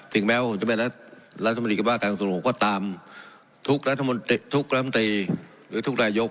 สิ่งแม้ว่าผมจะเป็นรัฐบาลรัฐมนตรีกับรัฐการส่งโรคก็ตามทุกรัฐมนตรีหรือทุกรายยก